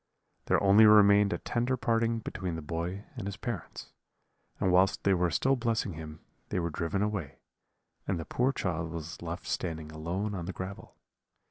"There only remained a tender parting between the boy and his parents; and whilst they were still blessing him they were driven away, and the poor child was left standing alone on the gravel.